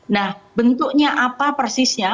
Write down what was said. nah bentuknya apa persisnya